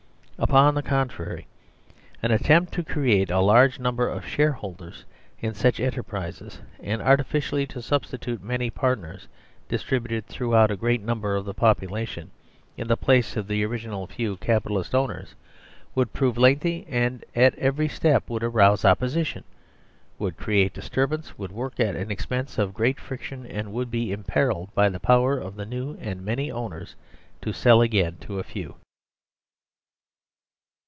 Upon the contrary, the attempt to create a large numberofshareholdersinsuchenterprisesand artifici ally to substitute many partners, distributed through out a great number of the population, in the place of the original few capitalist owners, would prove lengthy and at every step would arouse opposition, would create disturbance, would work atanexpenseof great friction, and would be imperilled by the power of the new and many owners to sell again to a few.